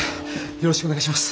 よろしくお願いします！